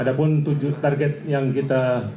ada pun tujuh target yang kita